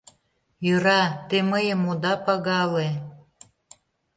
Йӧра, те мыйым ода пагале!